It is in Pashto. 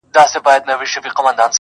پاچا مړ وو دوى وه خلك رابللي،